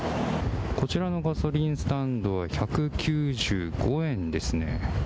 こちらのガソリンスタンドは１９５円ですね。